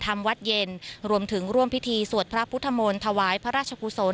วัดเย็นรวมถึงร่วมพิธีสวดพระพุทธมนต์ถวายพระราชกุศล